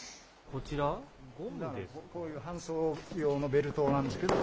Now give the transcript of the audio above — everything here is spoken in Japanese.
こういう搬送用のベルトなんですけど。